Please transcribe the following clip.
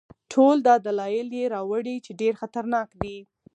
ټول دا دلایل یې راوړي چې ډېر خطرناک دی.